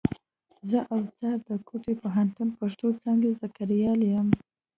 زه اوڅار د کوټي پوهنتون پښتو څانګي زدهکړيال یم.